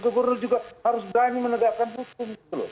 gubernur juga harus berani menegakkan hukum